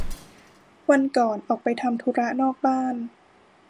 วันก่อนออกไปทำธุระนอกบ้าน